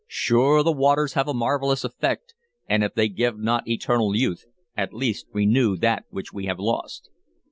"Sure the waters have a marvelous effect, and if they give not eternal youth at least renew that which we have lost."